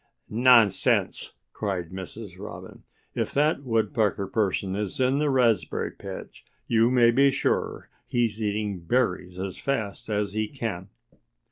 "Nonsense!" cried Mrs. Robin. "If that Woodpecker person is in the raspberry patch you may be sure he's eating berries as fast as he can."